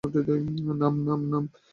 নাম, নাম।